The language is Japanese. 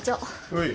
はい。